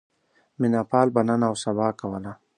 مینه پال به نن اوسبا کوله.